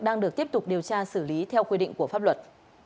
đang được tiếp tục điều tra xử lý theo quy định của pháp luật